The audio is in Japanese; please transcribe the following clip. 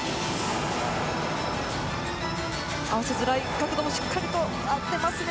合わせづらい角度もしっかり合ってますね。